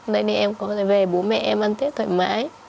đến đây em có thể về bố mẹ em ăn tết thoải mái